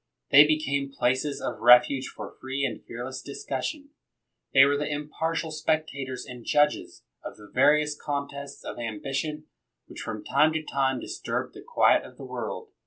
They became places of refuge for free and fearless discussion; they were the impartial spectators and judges of the various contests of ambition which from time to time disturbed the quiet of the world.